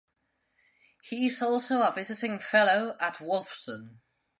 He is also a Visiting Fellow at Wolfson.